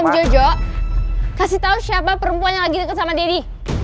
jojo kasih tahu siapa perempuan yang lagi dekat sama deddy